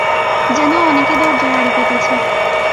যেন অনেকে দরজায় আড়ি পেতেছে।